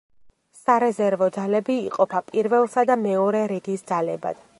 სარეზერვო ძალები იყოფა პირველსა და მეორე რიგის ძალებად.